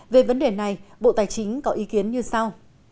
về vấn đề này bộ tài chính có ý kiến như sau